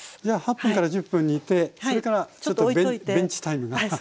じゃ８分から１０分煮てそれからちょっとベンチタイムが。